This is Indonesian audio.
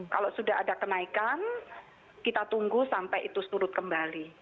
kalau sudah ada kenaikan kita tunggu sampai itu surut kembali